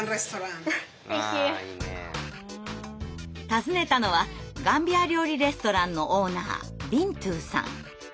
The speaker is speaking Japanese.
訪ねたのはガンビア料理レストランのオーナービントゥーさん。